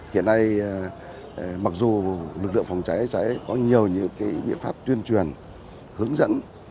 hiện nay mặc dù lực lượng phòng cháy chữa cháy có nhiều những biện pháp tuyên truyền hướng dẫn